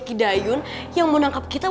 kida yun yang mau nangkep kita